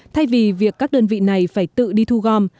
thay vì việc các đơn vị này phải tự đi thu gom